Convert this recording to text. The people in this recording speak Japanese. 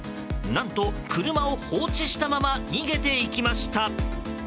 何と車を放置したまま逃げていきました。